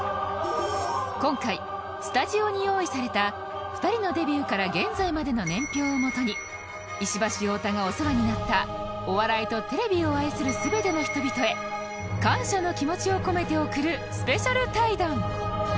今回スタジオに用意された２人のデビューから現在までの年表をもとに石橋太田がお世話になったお笑いとテレビを愛する全ての人々へ感謝の気持ちを込めて贈るスペシャル対談